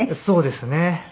そうですね。